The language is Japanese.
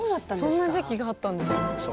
そんな時期があったんですね。